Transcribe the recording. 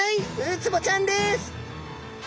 ウツボちゃんです。